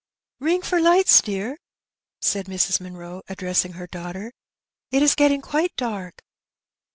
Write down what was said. "Ring for lights, dear," said Mrs. Munroo, addressing her daughter; "it is getting quite dark."